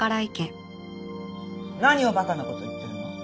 何を馬鹿な事言ってるの。